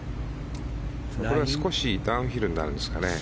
少しダウンヒルになるんですかね。